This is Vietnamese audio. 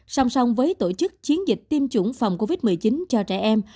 song song với tổ chức chiến dịch tiêm chủng phòng covid một mươi chín cho trẻ em